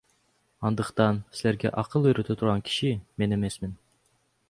Андыктан силерге акыл үйрөтө турган киши мен эмесмин.